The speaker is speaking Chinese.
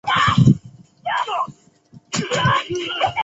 母方氏。